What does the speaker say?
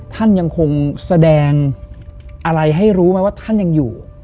ท่านยังคงแสดงอะไรให้รู้ไหมว่าท่านยังอยู่